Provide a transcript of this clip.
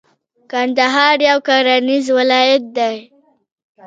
کندهار یو کرنیز ولایت دی.